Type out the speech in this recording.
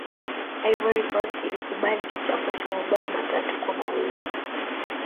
ivory coast ilikubali kichapo cha mabao matatu kwa mawili